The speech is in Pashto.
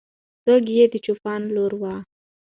څوک یې د چوپان لور وه؟